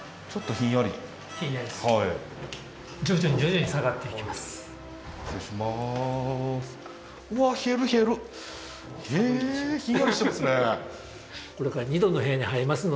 ひんやりしてますね。